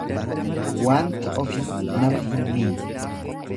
Waanti ofii nama hin miidhu.